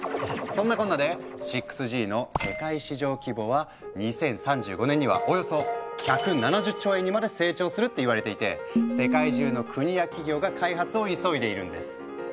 そんなこんなで６Ｇの世界市場規模は２０３５年にはおよそ１７０兆円にまで成長するって言われていて世界中の国や企業が開発を急いでいるんです。